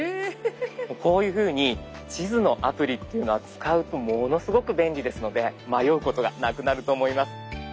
こういうふうに地図のアプリっていうのは使うとものすごく便利ですので迷うことがなくなると思います。